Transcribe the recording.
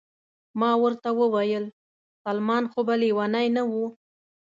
ما ورته وویل: سلمان خو به لیونی نه و؟